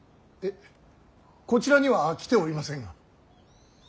えっこちらには来ておりませんが。